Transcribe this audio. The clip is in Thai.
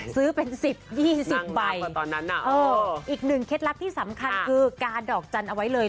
ซื้อเป็นสิบยี่สิบใบอีกหนึ่งเคล็ดลักษณ์ที่สำคัญคือการดอกจันเอาไว้เลย